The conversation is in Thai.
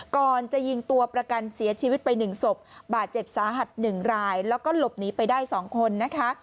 ก่อนจะยิงตัวประกันเสียชีวิตไป๑ศพบาดเจ็บสาหัส๑รายแล้วก็หลบหนีไปได้๒คนนะคะ